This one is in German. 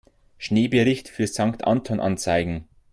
Schneebericht für Sankt Anton anzeigen.